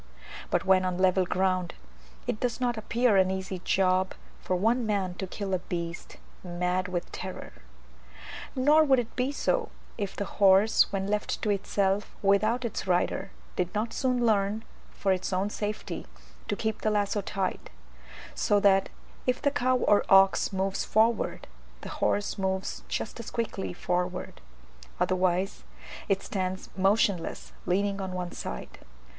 But when on level ground it does not appear an easy job for one man to kill a beast mad with terror. Nor would it be so, if the horse, when left to itself without its rider, did not soon learn, for its own safety, to keep the lazo tight, so that, if the cow or ox moves forward, the horse moves just as quickly forward; otherwise, it stands motionless leaning on one side.